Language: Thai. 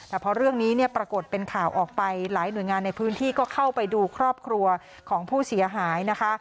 แต่พอเรื่องนี้เนี่ยปรากฏเป็นข่าวออกไปหลายหน่วยงานในพื้นที่ก็เข้าไปดูครอบครัวของผู้เสียหายนะคะ